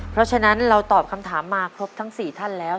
เพราะฉะนั้นเราตอบคำถามมาครบทั้ง๔ท่านแล้ว